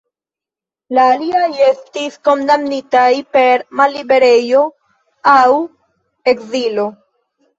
La aliaj estis kondamnitaj per malliberejo aŭ ekzilo.